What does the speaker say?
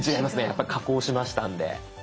やっぱ加工しましたんで。